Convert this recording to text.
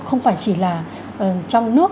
không phải chỉ là trong nước